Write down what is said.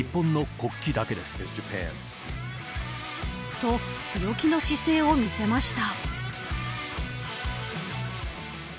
と、強気の姿勢を見せました。